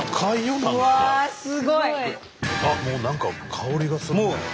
もう何か香りがすごいね。